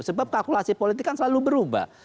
sebab kalkulasi politik kan selalu berubah